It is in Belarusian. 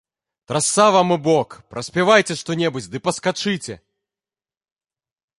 Трасца вам у бок, праспявайце што-небудзь ды паскачыце!